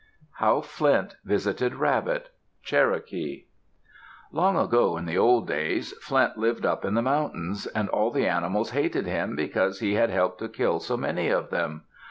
HOW FLINT VISITED RABBIT Cherokee Long ago, in the old days, Flint lived up in the mountains, and all the animals hated him because he had helped to kill so many of them.